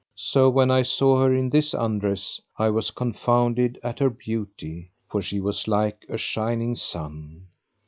So when I saw her in this undress, I was confounded at her beauty, for she was like a shining sun.